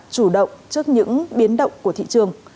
chủ động trước những biến động của thị trường